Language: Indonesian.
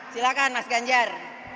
silakan mas ganjar